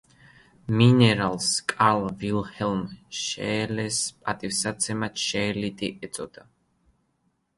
მინერალს კარლ ვილჰელმ შეელეს პატივსაცემად შეელიტი ეწოდა.